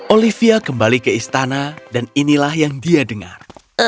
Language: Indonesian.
olivia kembali ke istana dan inilah yang dia dengar